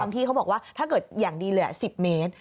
บางทีเขาบอกว่าถ้าเกิดอย่างดีเหลือ๑๐เมตร